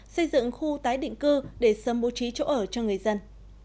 xây dựng khu tái định cư để sớm bố trí chỗ ở cho người dân